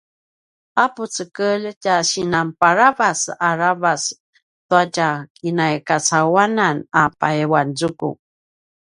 a pucekelj tja sinan paravac aravac tua tja kinai kacauwanan a payuanzuku